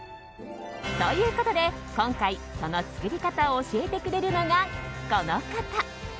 ということで今回その作り方を教えてくれるのがこの方。